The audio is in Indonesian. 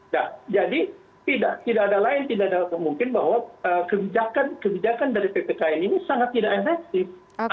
nah jadi tidak ada lain tidak ada kemungkinan bahwa kebijakan kebijakan dari ppkm ini sangat tidak efektif